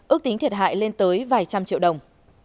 ước tính thiệt hại lên tới vài trăm triệu đồng